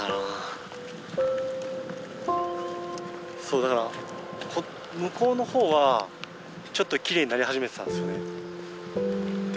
そうだから向こうのほうはちょっときれいになり始めてたんですよねで